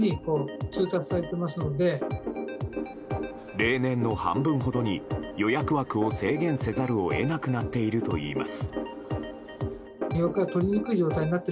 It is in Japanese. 例年の半分ほどに予約枠を制限せざるを得なくなっているといいます。